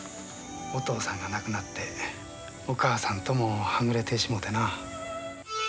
お父さんが亡くなってお母さんともはぐれてしもうてな。